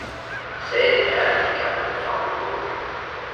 sagde det ærlige, gamle favnemål.